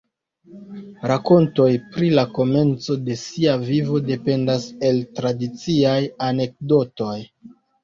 Rakontoj pri la komenco de sia vivo dependas el tradiciaj anekdotoj.